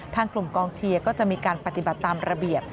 ทางกลุ่มกองเชียร์ก็จะมีการปฏิบัติตามระเบียบ